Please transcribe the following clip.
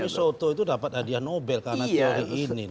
tapi soto itu dapat hadiah nobel karena teori ini